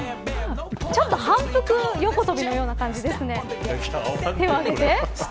ちょっと反復横跳びのような感じですね。